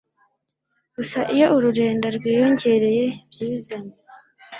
Gusa, iyo ururenda rwiyongereye byizanye,